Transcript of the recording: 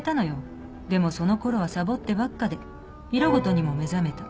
でもそのころはサボってばっかで色事にも目覚めた。